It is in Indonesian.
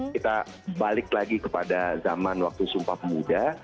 kita balik lagi kepada zaman waktu sumpah pemuda